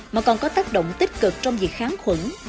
mà còn có tác động tích cực trong việc kháng khuẩn